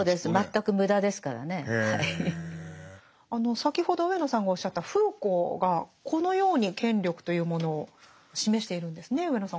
先ほど上野さんがおっしゃったフーコーがこのように権力というものを示しているんですね上野さん。